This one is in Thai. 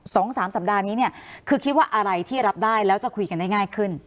สองสามสัปดาห์นี้เนี่ยคือคิดว่าอะไรที่รับได้แล้วจะคุยกันได้ง่ายขึ้น